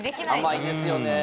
甘いですよね。